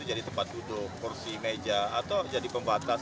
jadi tempat duduk kursi meja atau jadi pembatas